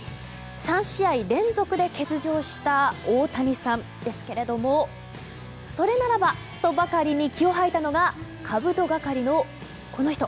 ３試合連続で欠場した大谷さんですけれどもそれならばとばかりに気を吐いたのがかぶと係の、この人。